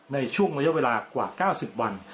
ในช่วงระยะเวลากว่า๙๐วัน